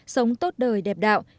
sống tốt đời đẹp đạo